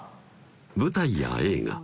舞台や映画